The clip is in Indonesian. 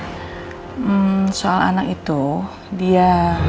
hmm soal anak itu dia